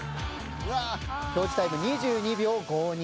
表示タイム２２秒５２。